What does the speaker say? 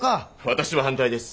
私は反対です。